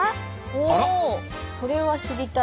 おおそれは知りたい。